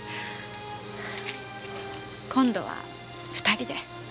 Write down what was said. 今度は２人で。